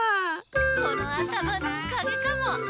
このあたまのおかげかも！